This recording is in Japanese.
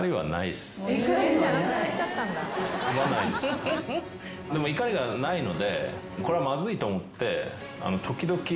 でも怒りがないのでこれはまずいと思って時々。